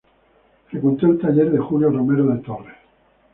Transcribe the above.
Frecuentó el taller de Julio Romero de Torres.